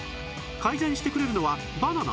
改善してくれるのはバナナ？